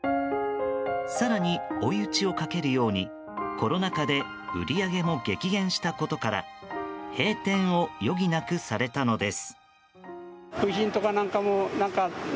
更に追い打ちをかけるようにコロナ禍で売り上げも激減したことから閉店を余儀なくされたのです。